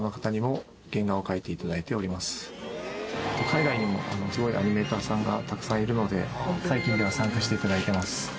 海外にもすごいアニメーターさんがたくさんいるので最近では参加していただいてます。